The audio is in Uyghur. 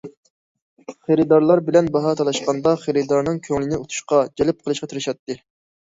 خېرىدارلار بىلەن باھا تالاشقاندا خېرىدارنىڭ كۆڭلىنى ئۇتۇشقا، جەلپ قىلىشقا تىرىشاتتى.